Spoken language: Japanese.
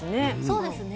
そうですね。